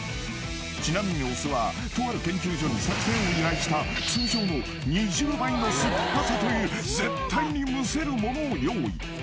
［ちなみにお酢はとある研究所に作製を依頼した通常の２０倍の酸っぱさという絶対にむせるものを用意］